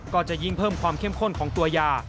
ก็จะยิ่งเพิ่มความเข้มข้นของตัวยา